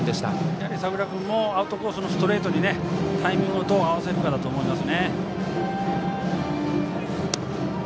やはり佐倉君もアウトコースのストレートにどうタイミングを合わせるかです。